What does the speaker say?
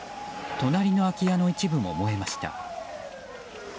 隣の空家の一部も燃えました。